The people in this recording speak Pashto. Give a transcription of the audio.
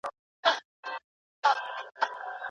په لویه جرګه کي د ریښتیني ملي پیوستون لپاره څه هڅې کیږي؟